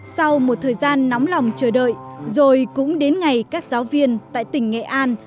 sau một thời gian nóng lòng chờ đợi rồi cũng đến ngày các giáo viên tại tỉnh nghệ an